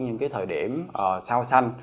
ở những cái thời điểm sau sanh